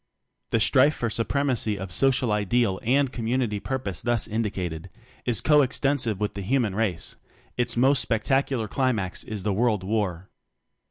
The strife for supremacy of social ideal and community purpose thus indicat ed, is co extensive with the human race; its most spectacular climax is the World War.